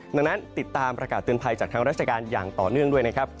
ดังนั้นติดตามประกาศเตือนภัยจากทางราชการอย่างต่อเนื่องด้วยนะครับ